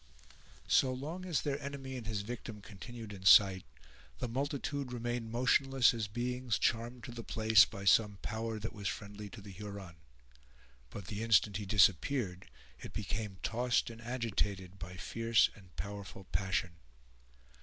So long as their enemy and his victim continued in sight, the multitude remained motionless as beings charmed to the place by some power that was friendly to the Huron; but, the instant he disappeared, it became tossed and agitated by fierce and powerful passion.